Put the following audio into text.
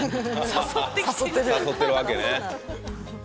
誘ってるわけね。